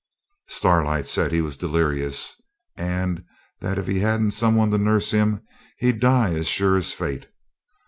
Starlight said he was delirious, and that if he hadn't some one to nurse him he'd die as sure as fate.